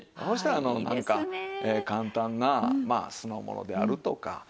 そしたらなんか簡単なまあ酢のものであるとか。